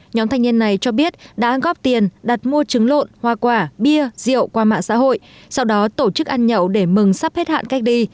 nhóm thanh niên này cho biết đã góp tiền đặt mua trứng lộn hoa quả bia rượu qua mạng xã hội sau đó tổ chức ăn nhậu để mừng sắp hết hạn cách ly